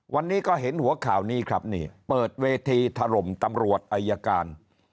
วันนี้ก็เห็นหัวข่าวนี้ครับนี่เปิดเวทีถล่มตำรวจอายการ